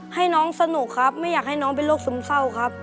ให้น้องสนุกครับไม่อยากให้น้องเป็นโรคซึมเศร้าครับ